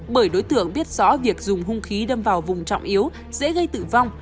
bởi đối tượng biết rõ việc dùng hung khí đâm vào vùng trọng yếu dễ gây tử vong